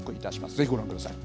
ぜひご覧ください。